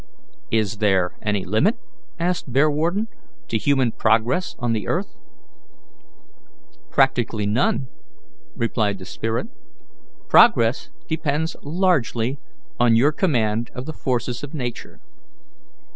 "Is there any limit," asked Bearwarden, "to human progress on the earth?" "Practically none," replied the spirit. "Progress depends largely on your command of the forces of Nature.